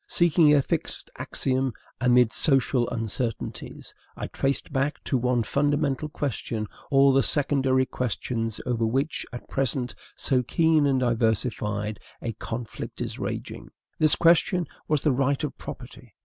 Seeking a fixed axiom amid social uncertainties, I traced back to one fundamental question all the secondary questions over which, at present, so keen and diversified a conflict is raging This question was the right of property.